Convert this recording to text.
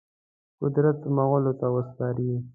قدرت مغولو ته وسپاري.